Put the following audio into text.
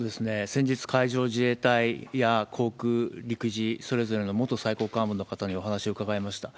先日、海上自衛隊や航空、陸自、それぞれの元最高幹部の方にお話を伺いました。